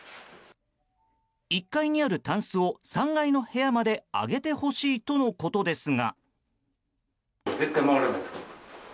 １階にあるタンスを３階の部屋まで上げてほしいとのことですが。